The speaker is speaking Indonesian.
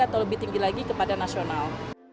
atau lebih tinggi lagi kepada nasional